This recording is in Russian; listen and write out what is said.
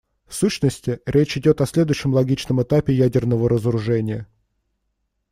В сущности, речь идет о следующем логичном этапе ядерного разоружения.